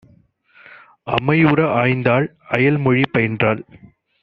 அமைவுற ஆய்ந்தாள்; அயல்மொழி பயின்றாள்;